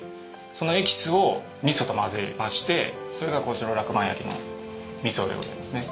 そのエキスを味噌と混ぜましてそれがこちら楽満焼の味噌でございますね。